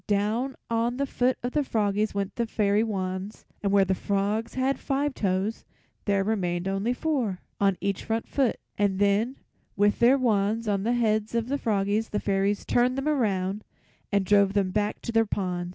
Down on the foot of the froggies went the fairy wands, and where the frogs had five toes there remained only four on each of their front feet, and then with their wands on the heads of the froggies the fairies turned them around and drove them back to their pond.